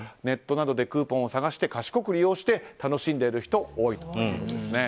ネットなどでクーポンを探して賢く利用して楽しんでいる人も多いということです。